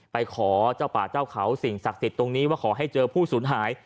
ไปขอเจ้าป่าเจ้าเขาสิ่งศักดิ์สิทธิ์ตรงนี้ว่าขอให้เจอผู้สูญหาย